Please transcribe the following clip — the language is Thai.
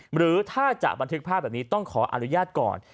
หรือถ้าจะบันทึกภาพแบบนี้ต้องขออนุญาตก่อน